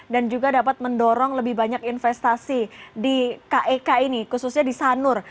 dan juga dapat mendorong lebih banyak investasi di kek ini khususnya di sanur